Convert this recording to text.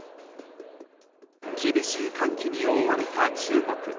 厳しい寒気に覆われた中国。